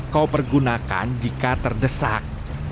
kau pergunakan jika terdesak